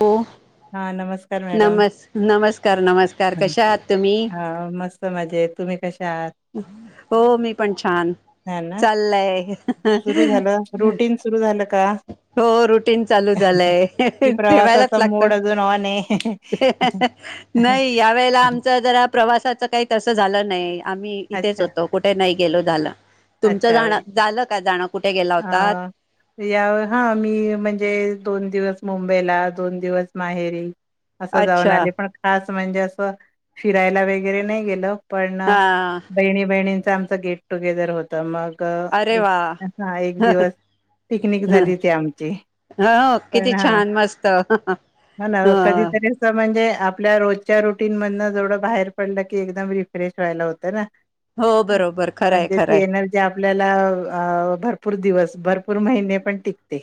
हो. हा नमस्कार मॅडम नमस् नमस्कार नमस्कार कशा आहात तुम्ही? हा मस्त मजेत तुम्ही कशा आहात. हो मी पण छान चाललय सुरु झालं रुटीन सुरु झालं का? हो रुटीन चालू झालंय कि ठेवायलाच प्रवासाचा लागत. मोड अजून ऑन आहे नाही यावेेळेला आमचा जरा प्रवासात च काही तसं झालं नाही आम्ही इथेच अच्छा होतो कुठे नाही गेलो झालं. तुमचं जाण झालं काय जाण कु आ याव हा मी म्हणजे दोन दिवस मुंबईला दोन दिवस माहेरी असं जाऊन अच्छा आले पण खास म्हणजे असं फिरायला वगैरे नाही गेलं. पण हा बहिणी बहिणीच आमचं गेट टुगेदर होत मग अरे एक वा हा एक दिवस पिकनिक झाली ती आमची हो पण किती हा छान मस्त हा, हा ना कधीतरी अस म्हणजे आपल्या रोजच्या रुटीन मधन जवढं बाहेर पडलं की एकदम रिफ्रेश व्हायला होतं ना हो बरोबर खरंय म्हणजे ती खरंय एनर्जी आप आपल्याला अ भरपूर दिवस भरपूर महिने पण टिकते.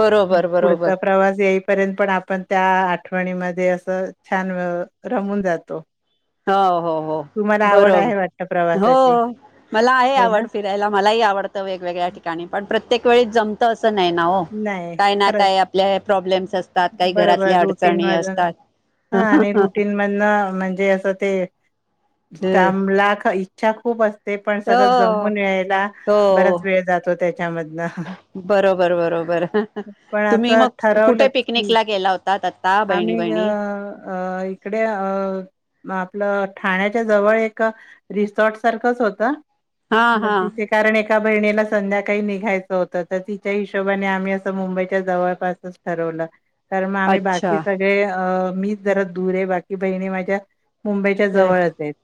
बरोबर बरोबर पुढचा प्रवास येईपर्यंत पण आपण त्या आठवणीमध्ये अस छान रमून जातो. हो हो हो तुम्हाला आवड आहे वाटतं बरोबर हो प्रवासाची? मला आहे हो ना? आवड फिरायला मलाही आवडतं. वेवेगळ्या ठिकाणी पण प्रत्येक वेळी जमत असं असं नाही ना ओ नाही. काही ना खरंच. काय आपल्या प्रॉब्लेम्स असतात, काही बरोबर घरातल्या अडचणी रुटीनमधून असतात. हा आणि रुटीन मधन म्हणजे असं ते ह तांबला क इच्छा खूप असते. ते पण सगळं हो जमून यायला हो बराच वेळ जातो त्याच्यामधनं बरोबर बरोबर पण तुम्ही असं मग कुठे ठरवलंच की पिकनिकला गेला होतात आता बहिणी आम्ही अ बहिणी इकडे अ आपलं ठाण्याच्या जवळ एक रिसॉर्ट सारखंच होत. हा मग हा तिथे कारण एका बहिणीला संध्याकाळी निघायचं होतं तर तिच्या हिशोबाने आम्ही असं मुंबईच्या जवळपासच ठरवलं. तर मग आम्ही बा अच्छा ते अ मीच जरा दुरे बाकी बहिणी माझा मुंबईच्या जवळचेत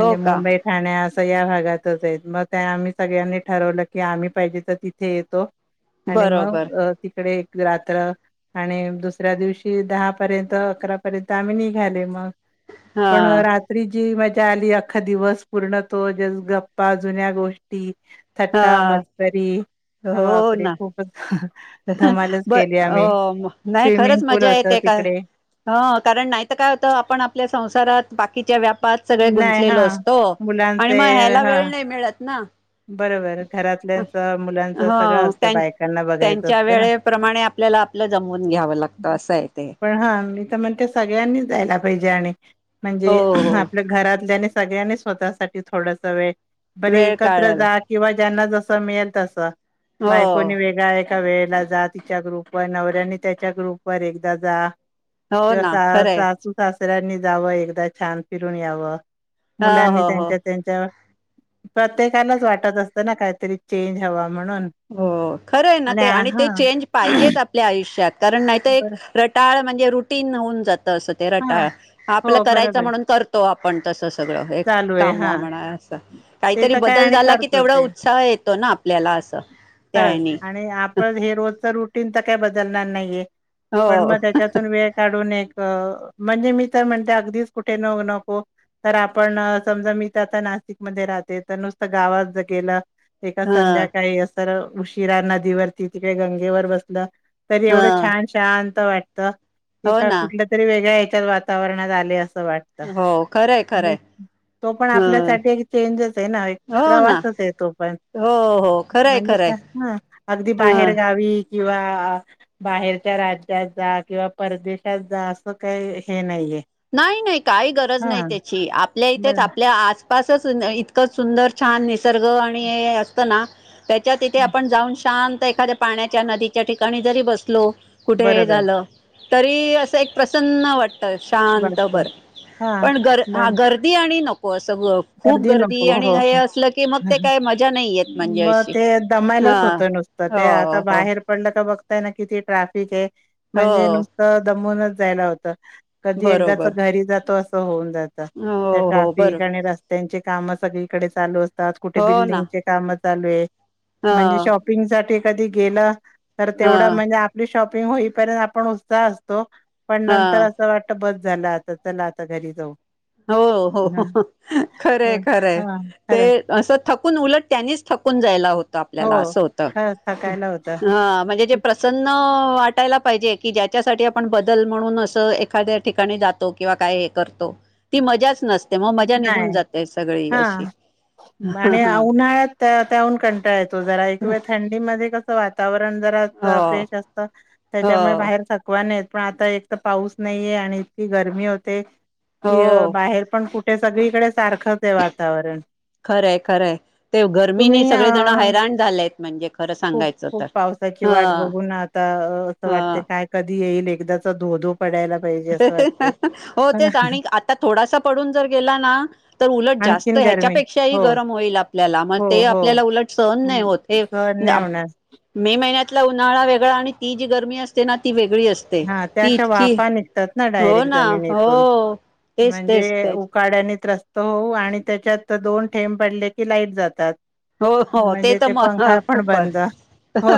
हो का मुंबई ठाण्यास या भागातच आहेत मग त्या आम्ही सगळ्यांनी ठरवलं की आम्ही पाहिजे तर तिथे येतो. आणि मग बरोबर तिकडे एक रात्र आणि दुसऱ्या दिवशी दहा पर्यंत अकरा पर्यंत आम्ही निघाले मग हा पण रात्री जी म्ह जा आली अख्खा दिवस पूर्ण तो गप्पा जुन्या गोष्टी हा थट्टा मस्करी ह हो बापरे ना खूपच धमालच ब केली आम्ही हो म नाही स्विमिंग खरंच पूल मजा होत येते. का तिकडे ह कारण नाहीतर काय होत आपण आपल्या संसारात बाकीच्या व्याप व्यापात सगळे नाही हा गुंतलेलो असतो आणि मुलांचे मग ह्याला हा वेळ नाही मिळत ना बरोबर घरातल्यानच मुलांच सगळं ह असतं त्यां बायकांना ब त्यांच्या वेळेप्रमाणे आपल्याला आपलं जमून घ्यावं लागतं असं आहे ते. पण हा मी तर म्हणते सगळ्यांनी जायला पाहिजे आणि हो म्हणजे हो घरातल्यांनी सगळ्यांनी स्वतःसाठी थोडस वेळ बरे वेळ एकत्र काढायला जा किंवा ज्यांना जस मिळेल तस हो बायकोनी वेगळा एक एका वेळेला जा तिच्या ग्रुपवर नवऱ्यानी त्याच्या ग्रुप वर एकदा जा. हो किंवा ना खरंय सासू सासर सासऱ्यांनी जाव एकदा छान फिरून यावं हो मुलांनी हो हो त्यांच्या त्यांच्या प्रत्येकानाचं वाटत असतं ना काहीतरी चेंज हवा म्हणून हो खरं आहे ना ते आणि ते चेंज पाहिजेच आपल्या आयुष्यात कारण नाहीत एक बर रटाळ म्हणजे रुटीन होऊन जात असं ते हा रटाळ आपलं हो बरोबर करायचं आहे म्हणून करतो आपण तसं सगळं एक चालू आहे काम हा म्हणा असं ते काहीतरी तर काय बदल आणि झाला की करतो तेवढा ते उत्साह येतो ना आपल्याला असं खरंच त्यानी आणि आपण हे रोजच रुटीन तर काय बदलणार नाहीये पण हो मग त्याच्यातून वेळ काढून एक म्हणजे मी तर म्हणते अगदीच कुठे न नको तर आपण समजा मी तर आता नाशिकमध्ये राहते तर नुसतं गावात जर गेलं एका ह संध्याकाळी असर उशिरा नदीवरती तिकडे गंगेवर बसलं तरी ह एवढं छान शांत वाटत की हो का ना कुठलं तरी वेगळ्या ह्याच्यात वातावरणात आले अस असं वाटत हो खरंय खरंय तो पण ह आपल्यासाठी एक चेंजच आहे ना एक हो ना प्रवासच. असते तो पण हो हो खरंय म्हणजे खरंय अगदी ह बाहेर गावी किंवा बाहेरच्या राज्यात जा किंवा परदेशात जा काही हे नाहीये. नाही नाही काही गरज नाही हां त्याची आपल्या बर इथेच आपल्या आस असचं इतकं सुंदर छान निसर्ग आणि हे असत ना त्याच्या तिथे आपण जाऊन शांत एखाद्या पाण्याच्या नदीच्या ठिकाणी जरी बसलो कुठे हे बरोबर झालं तरी असं एक प्रसन्न वाटत. शांत वाटतं बरं हां. पण गर हा मग गर्दी आणि नको. असं ग- खूप गर्दी नको हो आणि हे असलं की मग ते काय मजा नाही येत म्हणजे म अशी ते हा दमायलाच होत नुसतं ते हो आता हो बाहेर पडलं का बघ बघताय ना किती ट्राफिक आहे हो म्हणजे नुसतं दमूनच जायला होतं. कधी एकदाच बरोबर घरी जातो असं होऊन जात हो त्या हो बरो ट्राफिक आणि रस्त रस्त्याचे काम सगळीकडे चालू असतात. कुठे हो ना बिल्डिंग चे काम चालू आहे. हा म्हणजे शॉपिंग साठी कधी गेलं तर तेवढं हा म्हणजे आपली शॉप होईपर्यंत आपण उत्साह असतो पण हा नंतर अस वाटत बस बस झाला आता चला आता घरी जाऊ. हो हो ह खरंय होय खरंय. हा खरंच ते असं थकून उलट त्यांनीच थकून जायला होतं हो आपल्याला असं होतं. खरंच थकायला होतं हा म्हणजे जे प्रसन्न वाटायला पाहिजे की ज्याच्यासाठी आपण बदल म्हणून असं एखाद्या ठिकाणी जातो किंवा काय हे करतो. ती मजाच नसते मग मजा निघून नाही जाते सगळी हा अशी. आणि उन्हाळ्यात त्या त्याहून कंटाळा येतो जरा एक वेळ थंडी मधे कसं वाटते वातावरण हो जे फ्रेश असते त्यांच्यामुळे हो बाहेर धकवा पण आता एक तर पाऊस नाहीे आणि इतकी गरमी होते की हो बाहेर पण कुठे? ते सगळीकडे सारखंच आहे वातावरण. खरंय, खरंय ते गर्मीनी तुम्ही सगळे जण अ हैराण झालेत म्हणजे खरं सांगायचं तर साची ह वाट बघून आता अस ह वाटते काय कधी येईल एकदाचा धोधो पडायला पाहिजे हह असं हह वाटतंय हाह हो तेच आणि आता थोडासा पडून पडून जर गेला ना उलट जास्त आणखीन गरमी ह्याच्यापेक्षाही हो गरम होईल आपल्याला ते हो उलट हो आपल्याला सहन हं, नाही हो सहन नाही होणार मे महिन्यात उन्हाळा वेगळं आणि ती जी गरमी असते ना ती वेग हा त्या अशा वाफा निघतात. हो डायरेक्ट ना जमिनीतून हो तेच तेच म्हणजे तेच उखाड्यात त्रस्त होउ आणि त्यांच्यात दोन थेंब पडले की लाईट जातात. हो हो म्हणजे तर ते म पंखा पण बंद खूपच हो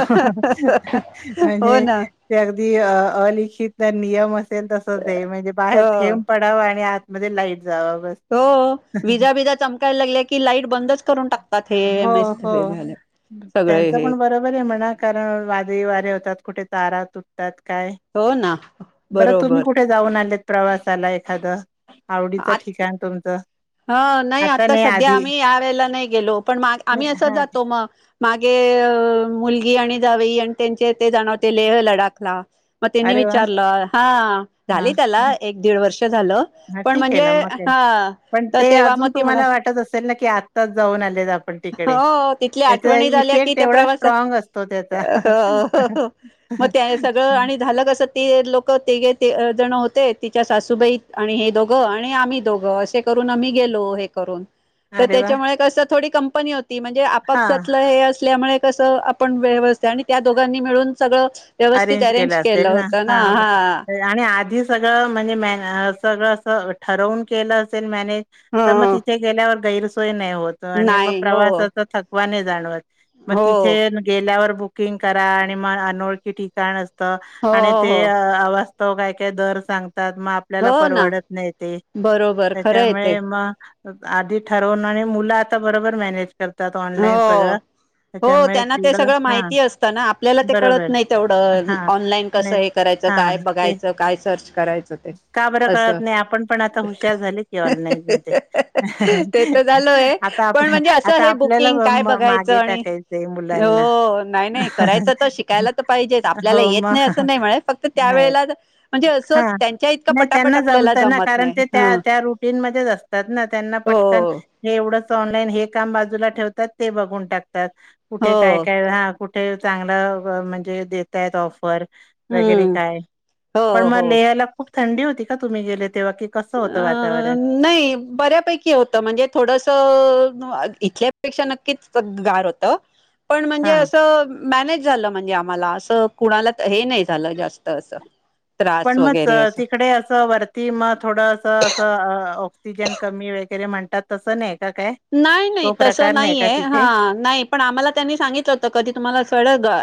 हो म्हजे ना ते. अलिखित नियम असेल तस म्हणजे बाहेर हो थेंब पडावं आणि मधे लाईट. जावा बस हो विजा बीजा चमकायला लागल्या की लाईट बंदच करून टाकतात हे एम एस झा आहे [unintelligible] त्यांच पण बरोबर आहे म्हणा कारण वादळी वारे होतात कुठे तारा तुटतात काय हो ना बरं तुम्ही बरोबर कुठे जाऊन आलेत प्रवासाला एखादं आवडीचं आ ठिकाण तुमचं? ह नाही आता सध्या आम्ही यावेेळेला नाही गेलो पण मग आम्ही नाही असं हा जातो मग मागे अ मुलगी आणि जावई आणि त्यांचे ते जानार होते लेह लडाखला. मग त्यांनी अरे वा विचारलं, हा हा झाली त्याला एक दीड वर्ष हा पण ठीक आहे म्हणजे ना मग काय पण हा तर ते तेव्हा मग अजून ती तुम्हाला म्हणाली वाटत असेल ना की आत्ताच जाऊन आलेत आपण तिकडे हो तिथल्या त्याचा आठवणी झाल्या की इफेक्ट त्या तेवढा प्रवासात स्ट्रॉंग असतो त्याचा हो त लोक तेघे ते जण होते तिच्या सासूबाई आणि हे दोघं आणि आम्ही दोघं असे करून आम्ही गेलो, हे करून अरे वा त्यांच्यामुळे कसं थोडी कंपनी होती ना ती म्हणजे हा आपापसातलं हे असल्यामुळे कसं आपण व्यवस्थ आणि त्या दोघांनी मिळून सगळं अरेंज केलं असेल ना हा आणि आधीच सगळं म्हणजे मॅनेज, सगळं असं ठरवून केलं असेल मॅनेज. मग ह तिथे गेल्यावर गैरसोय नाही होत आणि मग नाही हो प्रवासाचा थकवा नाही जाणवत. मग हो तिथे गेल्यावर बुकिंग करा आणि मग अनोळखी ठिकाण हो आणि ते हो अवास्तव काय काय दर सांगतात मग आपल्याला हो ना परवडत नाही ते बरोबर खरं येते त्यांच्यामुळे मग आधी ठरवणार आणि मुलं आता बरोबर मॅनेज करतात ऑनलाईन हो सगळं हो त्याच्यामुळे त्यांना ते तेवढं सगळं हा माहिती असत ना, आपल्याला ते कळत बरोबर नाही तेवढं हा ऑनलाईन नाही कसं हे करायचं हा काय ते बघायचं काय सर्च करायचं ते का बरं असं कळत नाही पण हुशार झाले ऑनलाइन मध्ये ते तर झालय आता पण आपलं म्हणजे असं आता हे आपलं बुकिंग काय बघायचं मागे आणि टाकायचंय मुलांना हो नाही नाही करायचं तर शिकायला तर पाहिजेच आपल्याला हो येत नाही असं मग, नाही म्हणे फक्त नाही त्यावेेळेला म्हणजे असं हा त्यांच्या इतकं नाही पटापट त्यांना आपल्याला जमते ना जमत पण नाही ते ह त्या त्या रुटीनं मधे असतात ना त्यांना हो पटकन ऑनलाईन हे काम बाजूला ठेवातात, ते बघून टाकतात हो कुठे काय काय? ते चांगला म्हणजे देतय ऑफर वगैरे हम्म काय, हो पण मग हो लेहाला खूप थंडी होती का तुम्ही गेले? तेव्हा कि कसं होतं अ वातावरण? नाही बऱ्यापैकी होत म्हणजे थोडस इथल्यापेक्षा नक्कीच गार होत, पण म्हणजे हां असं मॅनेज झालं म्हणजे आम्हाला अस कुणाला हे नाही झालं जास्त असं. त्रास पण मग वगैरे असं तिकडे असं वरती मग थोडं असं अस ऑक्सिजन कमी वगैरे म्हणतात तसं नाही? का काय? नाही नाही तो तस प्रकार नाही का नाहीय, तिथे? हा नाही पण आम्हाला त्यांनी सांगितलं होत कधी तुम्हाला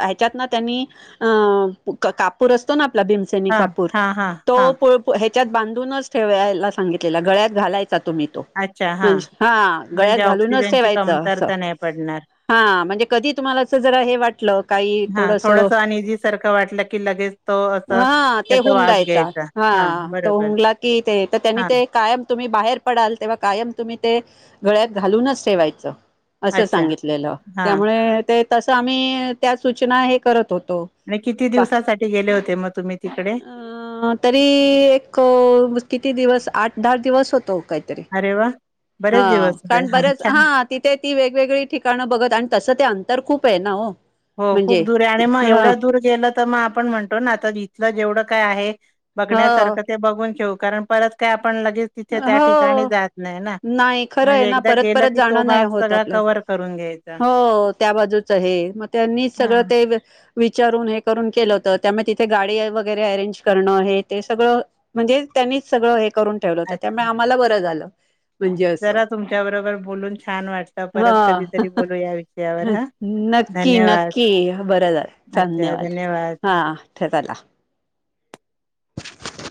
ह्याच्यात ना त्यांनी ह कापूर असतो ना? आपला भीमसेनी हां, कापूर, हां, हां, तो हां. पोळपो त्याच्यात बांधूनच ठेवायला सांगितलेला गळ्यात घालायचा तुम्ही तो अच्छा हां. म्हणजे हा गळ्यात म्हणजे घालूनच ऑक्सिजनची ठेवायच अस, कमतरता नाही पडणार. हा म्हणजे कधी तुम्हाला असं जरा हे वाटलं काही हां थोडंसं अनइझी सारखं वाटलं की लगेच तो असं हा ते त्याचा वास हुंगाईचा घ्यायचा. ह हां तो बरोबर. हुंगला कि ते तर त्यांनी हां ते कायम तुम्ही बाहेर पडाल तेव्हा कायम तुम्ही ते गळ्यात घालूनच ठेवायच असं अच्छा सांगितलेलं हां त्यामुळे ते तसं आम्ही त्या सूचना हे करत होत आणि किती अ दिवसासाठी गेले होते मग तुम्ही तिकडे? तरी एक किती दिवस आठ दहा दिवस होतो मि अरे वा बरेच दिवस का रण हां बरेच छान हा तिथे ती वेगवेगळी ठिकाणं बघत आणि तसं ते अंतर खूप आहे ना हो हो खूप म्हणजे दूर आहे आणि मग ह एवढ्या दूर गेलं तर मग आपण म्हणतो ना आता इथलं ज एवढं काय आहे हो बघण्यासारखं ते बघून ठेव कारण परत काय पण लगेच तिथे त्या ठिकाणी हो जात नाही ना नाही खरं आहे म्हणजे ना एकदा परत गेल परत की तो जाणं नाही भाग होत सगळा क आपल्या हो त्या बाजूच हे मग त्यांनी हा सगळं ते विचारून हे करून केलं होत त्यामुळे तिथे गाडी वगैरे अरेंज करणं हे ते सगळं म्हणजे त्यांनी सगळं हे करून ठेवलं होत त्यामुळे अच्छा. आम्हाला बरं झालं म्हणजे असं जरा तुमच्या बरोबर बोलून छान वाटतं हा परत कधीतरी बोलू या विषयावर हा नक्की धन्यवाद नक्की बरं झालं धन्यवाद हा चला